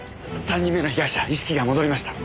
３人目の被害者意識が戻りました。